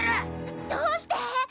どうして？